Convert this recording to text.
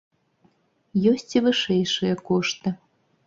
Ёсць і вышэйшыя кошты.